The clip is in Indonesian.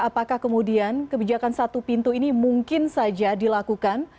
apakah kemudian kebijakan satu pintu ini mungkin saja dilakukan